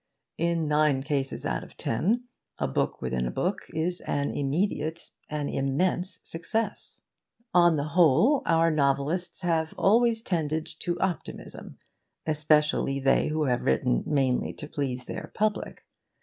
In nine cases out of ten, a book within a book is an immediate, an immense success. On the whole, our novelists have always tended to optimism especially they who have written mainly to please their public.